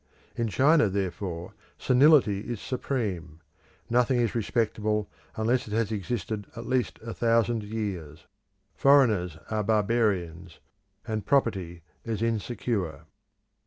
In China, therefore, senility is supreme; nothing is respectable unless it has existed at least a thousand years; foreigners are barbarians, and property is insecure.